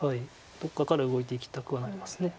どこかから動いていきたくはなります。